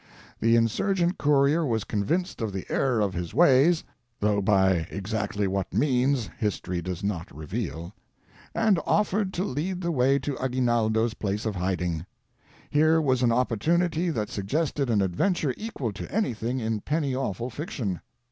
The Insurgent courier was convinced of the error of his ways (though by exactly what means, history does not re veal), and offered to lead the way to Aguinaldo's place of hiding. Here was an opportunity that suggested an adventure equal to anything in penny awful fiction.